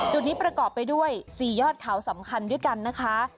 จุดนี้ประกอบไปด้วย๔ยอดเขาสำคัญด้วยกันนะคะ